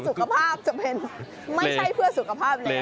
สุขภาพจำเป็นไม่ใช่เพื่อสุขภาพแล้ว